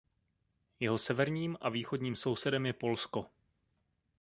Jeho severním a východním sousedem je Polsko.